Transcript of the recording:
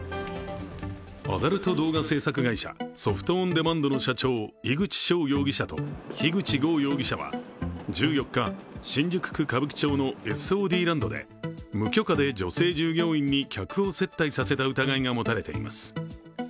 アダルト動画制作会社、ソフト・オン・デマンドの社長、井口翔容疑者と樋口剛容疑者は１４日新宿区歌舞伎町のＳＯＤＬＡＮＤで無許可で女性従業員に客を接待させた疑いが持たれています。